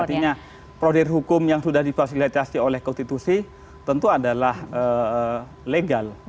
artinya proder hukum yang sudah difasilitasi oleh konstitusi tentu adalah legal